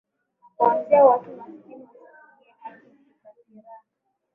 na kuzuia watu maskini wasitumie haki za kiraa